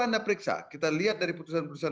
anda periksa kita lihat dari putusan putusan